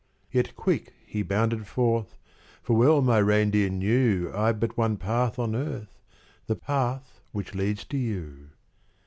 Yet quick he bounded forth; For well my reindeer knew I've but one path on earth The path which leads to you.